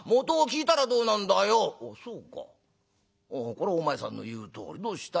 これはお前さんの言うとおりどうした？